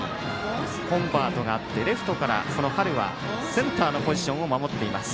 コンバートがあってレフトから、この春はセンターのポジションを守っています。